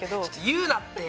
言うなって！